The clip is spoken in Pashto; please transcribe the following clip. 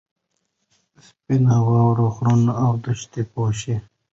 سپینه واوره غرونه او دښتې پوښي.